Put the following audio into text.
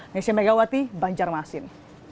nesya megawati banjarmasin